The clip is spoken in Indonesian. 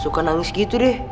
suka nangis gitu deh